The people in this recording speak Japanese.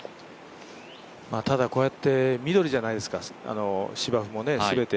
ただ、こうやって緑じゃないですか、芝生も全て。